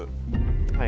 はい。